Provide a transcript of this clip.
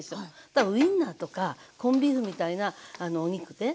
だからウインナーとかコンビーフみたいなあのお肉ね